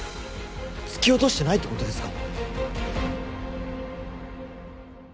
突き落としてないってことですか。